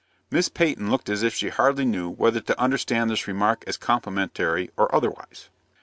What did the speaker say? Miss Peyton looked as if she hardly knew whether to understand this remark as complimentary or otherwise.